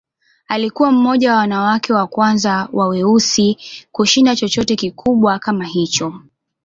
Alikuwa mmoja wa wanawake wa kwanza wa weusi kushinda chochote kikubwa kama hicho.